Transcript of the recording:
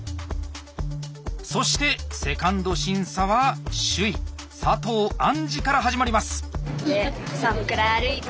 そして２ｎｄ審査は首位佐藤杏莉から始まります。